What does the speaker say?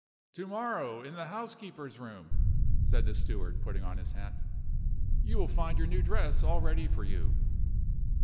"To morrow, in the housekeeper's room," said the steward, putting on his hat, "you will find your new dress all ready for you."